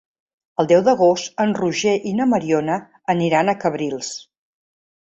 El deu d'agost en Roger i na Mariona aniran a Cabrils.